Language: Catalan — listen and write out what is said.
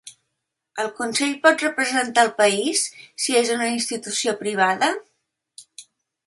El consell pot representar el país, si és una institució privada?